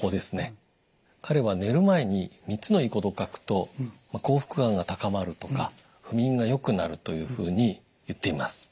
彼は寝る前に３つのいいことを書くと幸福感が高まるとか不眠が良くなるというふうに言っています。